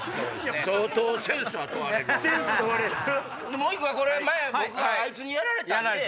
もう一個は前僕があいつにやられたんで。